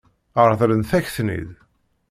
Ṛeḍlent-ak-ten-id?